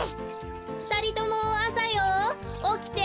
ふたりともあさよおきて。